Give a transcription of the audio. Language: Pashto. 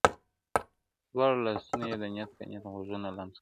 دواړو لاسونو يې د نيت په نيت غوږونه لمس کړل.